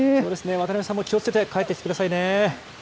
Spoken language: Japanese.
渡辺さんも気をつけて、帰ってきてくださいね。